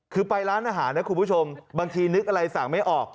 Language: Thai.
คือไปร้านอาหารนะคุณผู้ชมบางทีนึกอะไรสั่งไม่ออก